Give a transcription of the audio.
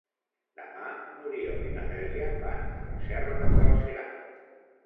Demà n'Oriol i na Dèlia van a la Serra d'en Galceran.